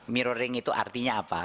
mirroring itu artinya apa